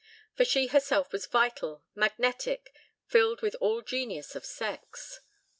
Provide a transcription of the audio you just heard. For she herself was vital, magnetic, filled with all genius of sex.